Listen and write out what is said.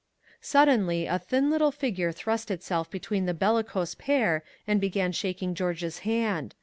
Suddenly a thin little figure thrust itself between the bellicose pair and began shaking George's hand.